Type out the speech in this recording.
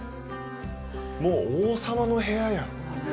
もう王様の部屋やん。